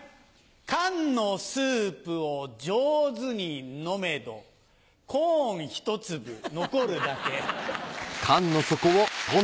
缶のスープを上手に飲めどコーン１粒残るだけ。